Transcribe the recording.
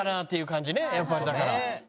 やっぱりだから。